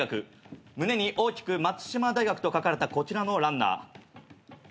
胸に大きく松島大学と書かれたこちらのランナー。